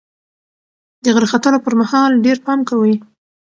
د غره ختلو پر مهال ډېر پام کوئ.